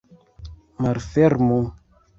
Malfermu!